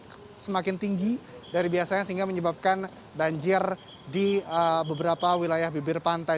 yang semakin tinggi dari biasanya sehingga menyebabkan banjir di beberapa wilayah bibir pantai